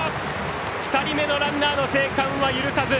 ２人目のランナーの生還は許さず。